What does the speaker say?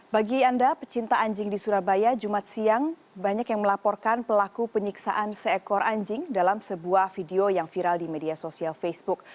bagi anda pecinta anjing di surabaya jumat siang banyak yang melaporkan pelaku penyiksaan seekor anjing dalam sebuah video yang viral di media sosial facebook